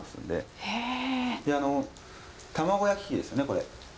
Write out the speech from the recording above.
であの卵焼き器ですよねこれ。